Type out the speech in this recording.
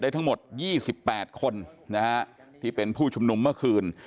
ทั้งหมด๒๘คนที่เป็นผู้ชุมนุมเมื่อคืน